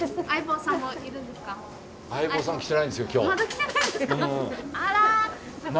来てないんですか？